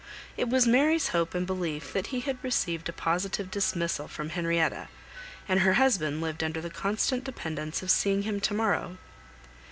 It was Mary's hope and belief that he had received a positive dismissal from Henrietta, and her husband lived under the constant dependence of seeing him to morrow.